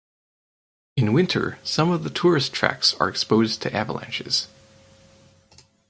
In winter some of the tourist tracks are exposed to avalanches.